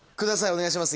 お願いします。